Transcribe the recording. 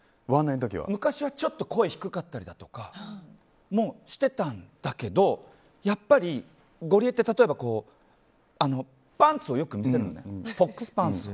昔はちょっと声低かったりとかもしてたんだけどやっぱりゴリエって例えばパンツをよく見せるソックスパンツ